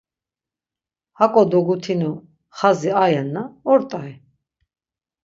Hako dogutinu xazi ayen na, ort̆ay.